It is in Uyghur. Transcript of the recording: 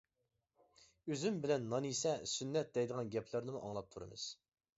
ئۈزۈم بىلەن نان يېسە سۈننەت دەيدىغان گەپلەرنىمۇ ئاڭلاپ تۇرىمىز.